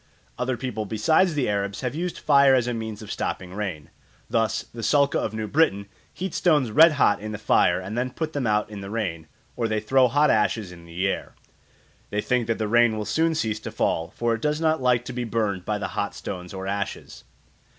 Other people besides the Arabs have used fire as a means of stopping rain. Thus the Sulka of New Britain heat stones red hot in the fire and then put them out in the rain, or they throw hot ashes in the air. They think that the rain will soon cease to fall, for it does not like to be burned by the hot stones or ashes.